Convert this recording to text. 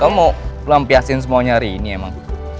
kamu mau lampiasin semuanya hari ini emang